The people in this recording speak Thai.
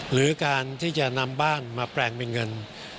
หรือการที่จะนำบ้านมาแปลงเป็นเงิน